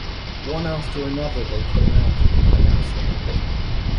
One after another they came out upon the next landing.